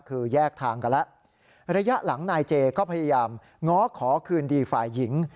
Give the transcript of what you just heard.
คือแยกทางกันแล้วระยะหลังนายเจก็พยายามง้อขอคืนดีฝ่ายหญิง